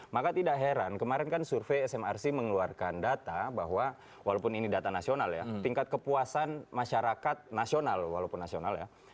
maka tidak heran kemarin kan survei smrc mengeluarkan data bahwa walaupun ini data nasional ya tingkat kepuasan masyarakat nasional walaupun nasional ya